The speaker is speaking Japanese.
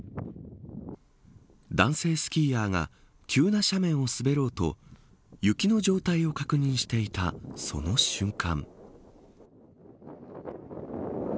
男性スキーヤーが急な斜面を滑ろうと雪の状態を確認していたその瞬間。